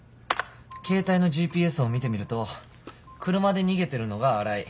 携帯のＧＰＳを見てみると車で逃げてるのが新井。